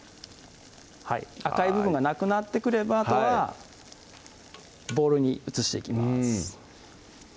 赤い部分がなくなってくればあとはボウルに移していきます